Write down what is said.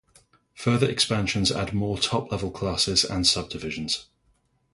Further expansions add more top level classes and subdivisions.